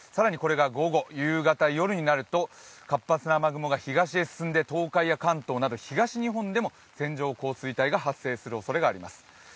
更にこれが午後、夕方、夜になると活発な雨雲が東へ進んで、東海や関東など東日本でも線状降水帯が発生するおそれがあります。